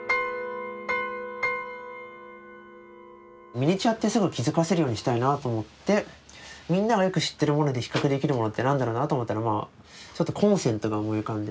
ミニチュアってすぐ気付かせるようにしたいなと思ってみんながよく知ってるもので比較できるものって何だろうなと思ったらちょっとコンセントが思い浮かんで。